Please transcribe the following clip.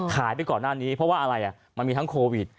ไปก่อนหน้านี้เพราะว่าอะไรมันมีทั้งโควิด